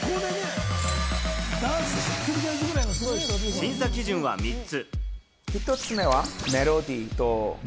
審査基準は３つ。